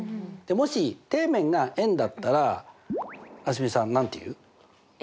もし底面が円だったら蒼澄さん何ていう？